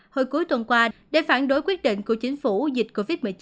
hồi cuối tuần qua để phản đối quyết định của chính phủ dịch covid một mươi chín